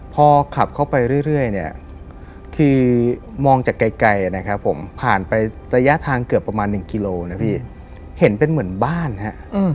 พอขับเข้าไปเรื่อยเนี่ยคือมองจากไกลนะครับผมผ่านไประยะทางเกือบประมาณ๑กิโลนะพี่เห็นเป็นเหมือนบ้านฮะ